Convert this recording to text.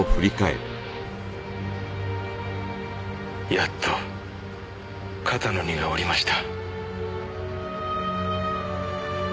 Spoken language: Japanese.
やっと肩の荷が下りました。